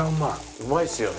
うまいっすよね。